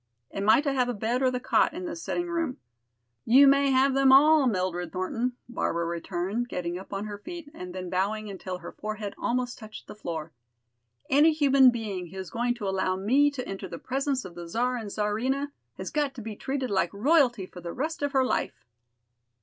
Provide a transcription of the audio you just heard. Am I to have a bed or the cot in this sitting room?" "You may have them all, Mildred Thornton!" Barbara returned, getting up on her feet and then bowing until her forehead almost touched the floor. "Any human being who is going to allow me to enter the presence of the Czar and Czarina, has got to be treated like royalty for the rest of her life."